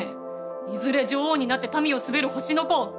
いずれ女王になって民を統べる星の子。